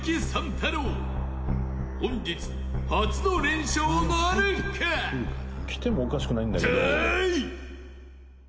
太郎本日初の連勝なるか？